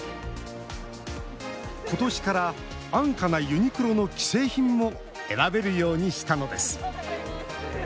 ことしから安価なユニクロの既製品も選べるようにしたのです。